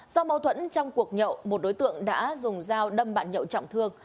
do mâu thuẫn trong cuộc nhậu một đối tượng đã dùng dao đâm bạn nhậu